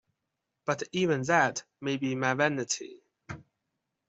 But even that may be my vanity.